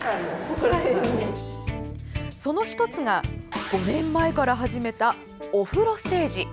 その１つが５年前から始めたお風呂ステージ。